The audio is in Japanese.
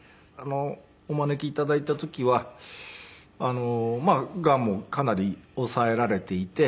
お招き頂いた時はがんもかなり抑えられていて。